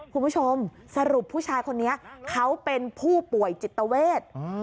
คุณผู้ชมสรุปผู้ชายคนนี้เขาเป็นผู้ป่วยจิตเวท